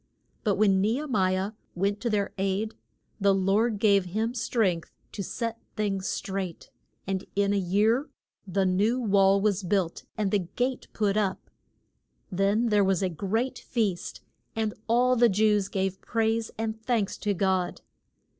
But when Ne he mi ah went to their aid the Lord gave him strength to set things straight, and in a year the new wall was built and the gate put up. Then there was a great feast, and all the Jews gave praise and thanks to God.